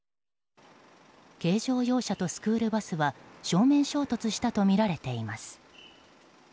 軽乗用車とスクールバスは正面衝突したとみられています。